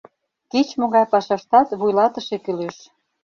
Кеч-могай пашаштат вуйлатыше кӱлеш.